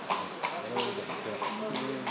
我々では持てなかったと思いますよね。